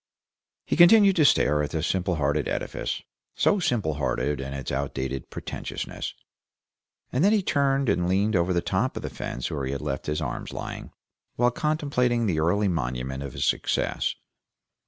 He continued to stare at the simple hearted edifice, so simple hearted in its out dated pretentiousness, and then he turned and leaned over the top of the fence where he had left his arms lying, while contemplating the early monument of his success.